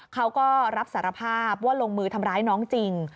เขาก็รับสารภาพว่าลงมือทำร้ายน้องจริง